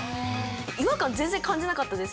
違和感全然感じなかったです。